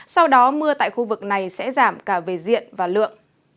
sau đó mưa tại khu vực này sẽ giảm cả về diện